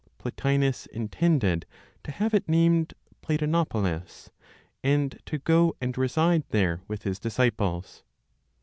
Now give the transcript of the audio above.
Plotinos intended to have it named Platonopolis, and to go and reside there with his disciples.